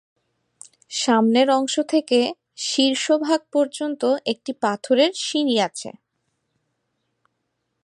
সামনের অংশ থেকে শীর্ষভাগ পর্যন্ত একটি পাথরের সিঁড়ি আছে।